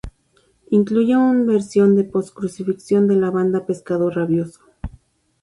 Incluye un versión de "Post Crucifixión", de la banda Pescado Rabioso.